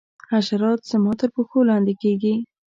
حشرات زما تر پښو لاندي کیږي.